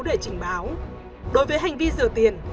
để trình báo đối với hành vi rửa tiền